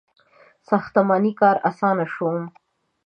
• ساختماني کار آسانه شو.